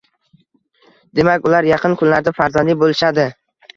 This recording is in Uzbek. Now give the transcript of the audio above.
Demak, ular yaqin kunlarda farzandli bo`lishadi